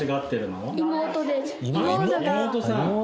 妹さん。